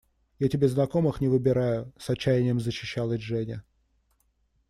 – Я тебе знакомых не выбираю, – с отчаянием защищалась Женя.